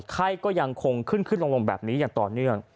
ไข้ก็ยังคงขึ้นขึ้นลงแบบนี้อย่างต่อเนื่อง